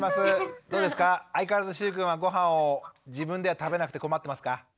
どうですか相変わらずしゅうくんはごはんを自分では食べなくて困ってますか？